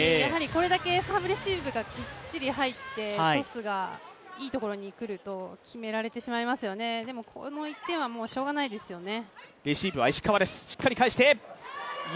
これだけサーブレシーブがきっちり入ってトスがいいところに来ると決められてしまいますよね、でもこの１点はしょうがないですよね。